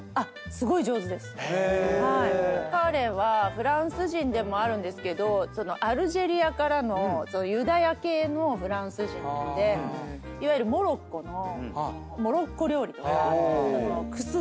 彼はフランス人でもあるんですけどアルジェリアからのユダヤ系のフランス人でいわゆるモロッコの。